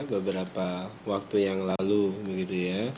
beberapa waktu yang lalu begitu ya